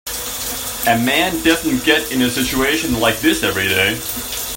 A man doesn't get in a situation like this every day.